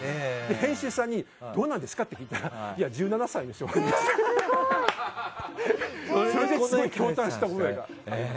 編集さんにどうなんですか？って聞いたら１７歳の人ですよって言われてそれで驚嘆した覚えがあります。